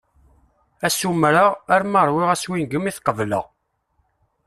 Assumer-a, armi ṛwiɣ aswingem i t-qebeleɣ.